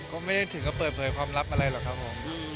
ก็ไม่ได้ถึงที่เปิดความคิดพึ่งอะไรเลยครับครับผม